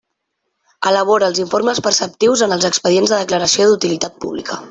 Elabora els informes preceptius en els expedients de declaració d'utilitat pública.